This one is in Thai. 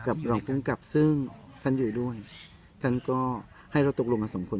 รองภูมิกับซึ่งท่านอยู่ด้วยท่านก็ให้เราตกลงกันสองคน